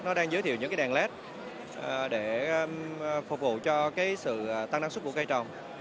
nó đang giới thiệu những đèn led để phục vụ cho sự tăng năng suất của cây trồng